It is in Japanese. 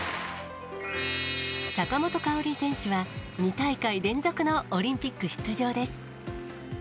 坂本花織選手は、２大会連続のオリンピック出場です。